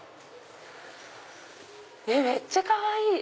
めっちゃかわいい！